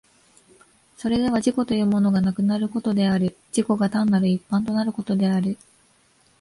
それでは自己というものがなくなることである、自己が単なる一般となることである。